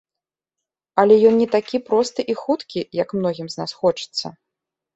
Але ён не такі просты і хуткі, як многім з нас хочацца.